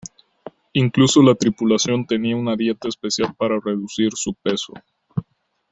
Incluso la tripulación tenía una dieta especial para reducir su peso.